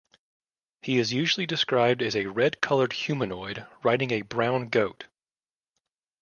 He is usually described as a red coloured humanoid, riding a brown goat.